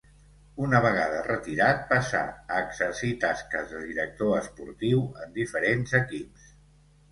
Una vegada retirat passà a exercir tasques de director esportiu en diferents equips.